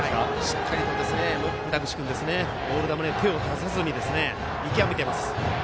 しっかりと牟田口君ボール球に手を出さずに見極めています。